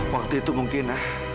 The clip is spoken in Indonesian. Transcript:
waktu itu mungkin